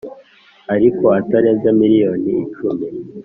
ariko atarenze miliyoni icumi